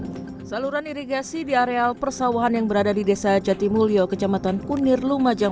hai saluran irigasi di areal persawahan yang berada di desa jatimulyo kecamatan kunir lumajang